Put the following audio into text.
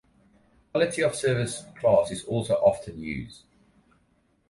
Quality of service class is also often used.